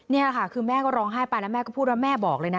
นี่แหละค่ะคือแม่ก็ร้องไห้ไปแล้วแม่ก็พูดว่าแม่บอกเลยนะ